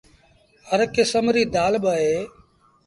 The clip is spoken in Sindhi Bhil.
هر ڪسم ريٚ دآل با اهي۔